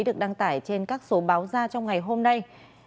được đăng tải trên các số báo ra trong ngày hôm nay